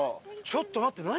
ちょっと待って何？